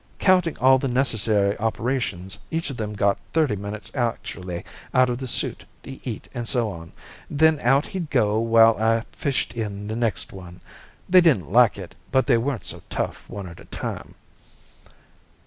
Counting all the necessary operations, each of them got thirty minutes actually out of the suit to eat and so on. Then out he'd go while I fished in the next one. They didn't like it, but they weren't so tough one at a time."